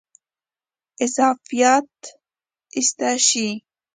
اضافات ایسته شي.